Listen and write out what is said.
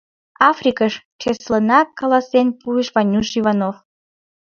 — Африкыш! — чеслынак каласен пуыш Ванюш Иванов.